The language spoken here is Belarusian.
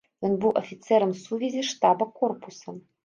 Ён быў афіцэрам сувязі штаба корпуса.